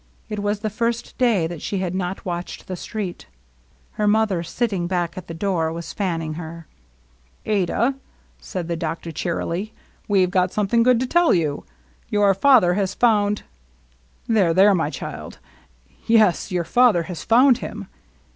It was the first day that she had not watched the street. Her mother, sitting back at the door, was fanning her. " Adah !" said the doctor cheerily. " We Ve got something good to tell you. Your father has found — there, there, my child! — yes, your father has found him.